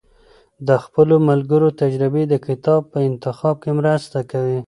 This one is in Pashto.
د خپلو ملګرو تجربې د کتاب په انتخاب کې مرسته کوي.